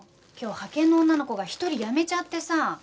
今日派遣の女の子が１人辞めちゃってさ。